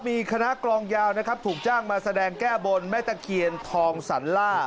มีคณะกลองยาวนะครับถูกจ้างมาแสดงแก้บนแม่ตะเคียนทองสรรล่า